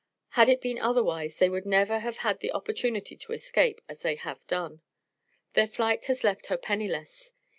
Had it been otherwise, they would never have had an opportunity to escape, as they have done. Their flight has left her penniless.